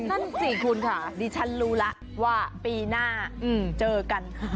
นั่นสิคุณค่ะดิฉันรู้แล้วว่าปีหน้าเจอกันค่ะ